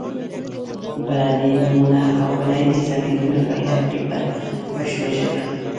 بله دې نومونه او بله دې ضمیرونه پیدا کړي په پښتو ژبه.